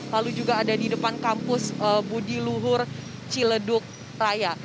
lalu juga ada di depan kampus budi luhur ciledug raya